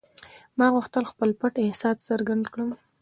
ما غوښتل خپل پټ احساس څرګند کړم